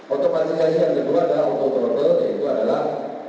otomatisasi yang diperluan adalah auto throttle yaitu adalah